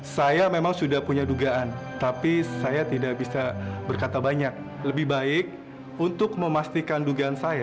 saya memang sudah punya dugaan tapi saya tidak bisa berkata banyak lebih baik untuk memastikan dugaan saya